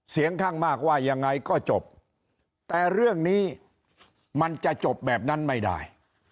เสียงข้างมากว่ายังไงก็จบแต่เรื่องนี้มันจะจบแบบนั้นไม่ได้